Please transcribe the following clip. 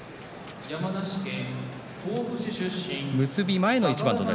結び前の一番です。